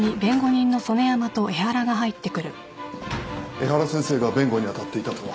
江原先生が弁護にあたっていたとは。